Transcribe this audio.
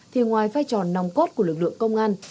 thì ngoài phai tròn nòng cốt của lực lượng công an